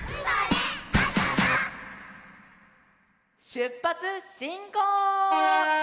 しゅっぱつしんこう！